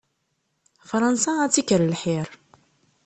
Fransa ad tt-ikker lḥir.